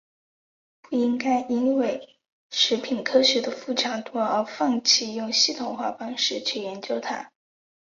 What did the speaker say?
不应该因为食品科学的复杂度而放弃用系统化方式去研究它。